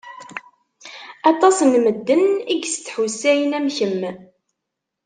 Aṭas n medden i yestḥussayen am kemm.